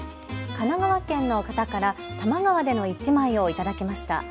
神奈川県の方から多摩川での１枚を頂きました。